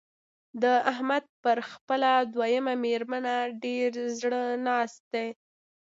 د احمد پر خپله دويمه مېرمنه ډېر زړه ناست دی.